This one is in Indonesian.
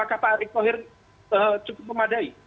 kata pak erick thohir cukup memadai